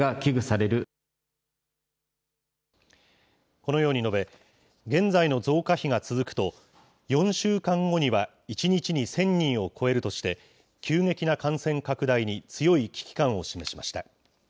このように述べ、現在の増加比が続くと、４週間後には、１日に１０００人を超えるとして、急激な感染拡大に強い危機感を示しました。